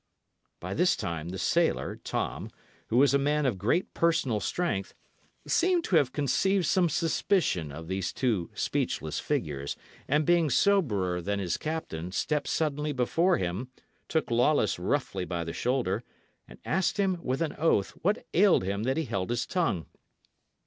By this time the sailor, Tom, who was a man of great personal strength, seemed to have conceived some suspicion of these two speechless figures; and being soberer than his captain, stepped suddenly before him, took Lawless roughly by the shoulder, and asked him, with an oath, what ailed him that he held his tongue.